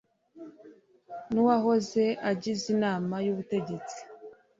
n uwahoze agize inama y ubutegetsi